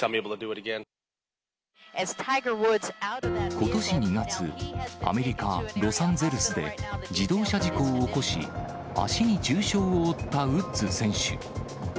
ことし２月、アメリカ・ロサンゼルスで自動車事故を起こし、足に重傷を負ったウッズ選手。